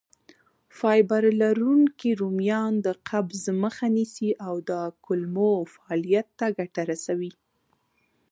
فایبر لرونکي رومیان د قبض مخه نیسي او د کولمو فعالیت ته ګټه رسوي.